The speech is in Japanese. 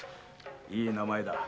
いい名前だ。